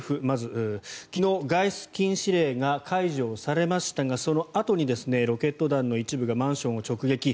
まず昨日、外出禁止令が解除されましたがそのあとにロケット弾の一部がマンションを直撃。